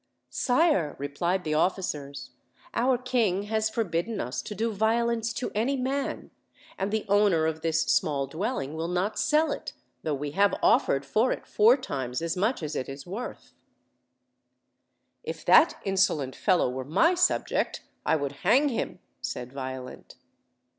"Sire," replied the officers, "our king has forbidden us to do violence to any man, and the owner of this small dwelling will not sell it, though we have offered for it four times as UIUG!> as it is worth." OLD, OLD FAIRY TALES. 113 "If that insolent fellow were my subject I would hang him," said Violent.